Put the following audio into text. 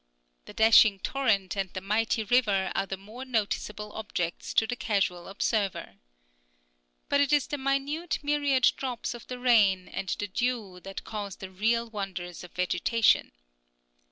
The dashing torrent and the mighty river are the more noticeable objects to the casual observer. But it is the minute myriad drops of the rain and the dew that cause the real wonders of vegetation.